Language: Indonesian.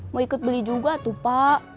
mau ikut beli juga tuh pak